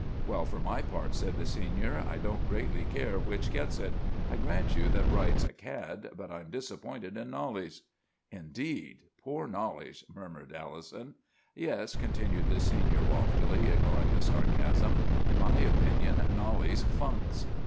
"'Well, for my part," said the Senior, 'I don't greatly care which gets it. I grant you that Wright's a cad; but I'm disappointed in Knollys!' "'Indeed! Poor Knollys!' murmured Allison. "'Yes,' continued the Senior loftily, ignoring the sarcasm; 'in my opinion Knollys funks.